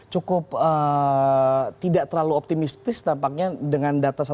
cukup tidak terlalu optimistis tampaknya dengan data satu satu